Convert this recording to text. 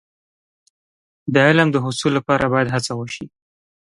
د علم د حصول لپاره باید هڅه وشي.